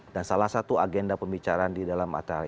dan salah satu agenda pembicaraan di dalam acara itu